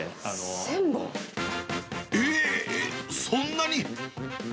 えー、そんなに？